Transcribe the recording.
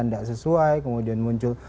enggak sesuai kemudian muncul